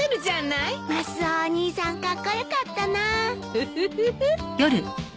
ウフフフ。